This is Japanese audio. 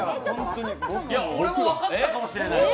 俺、分かったかもしれない。